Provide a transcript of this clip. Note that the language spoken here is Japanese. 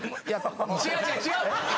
違う違う違うって！